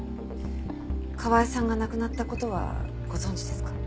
川井さんが亡くなった事はご存じですか？